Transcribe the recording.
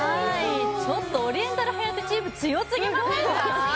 ちょっとオリエンタル颯チーム強すぎませんか？